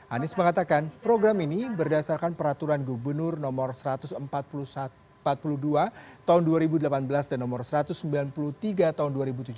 anies mengatakan program ini berdasarkan peraturan gubernur no satu ratus empat puluh dua tahun dua ribu delapan belas dan nomor satu ratus sembilan puluh tiga tahun dua ribu tujuh belas